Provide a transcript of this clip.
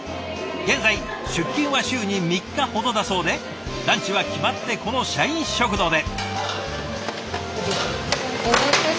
現在出勤は週に３日ほどだそうでランチは決まってこの社員食堂で。